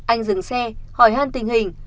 anh dừng xe hỏi hàn tình hình